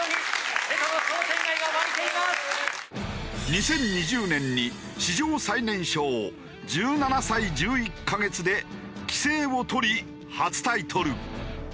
２０２０年に史上最年少１７歳１１カ月で棋聖を取り初タイトル。